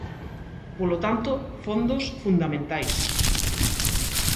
Polo tanto, fondos, fundamentais.